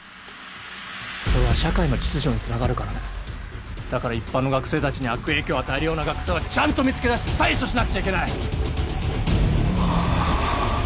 それは社会の秩序につながるからねだから一般の学生達に悪影響を与えるような学生はちゃんと見つけだして対処しなくちゃいけない